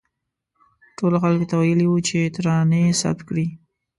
ټولو خلکو ته ویلي وو چې ترانې ثبت کړي.